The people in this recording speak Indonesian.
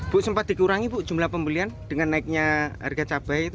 bu sempat dikurangi bu jumlah pembelian dengan naiknya harga cabai itu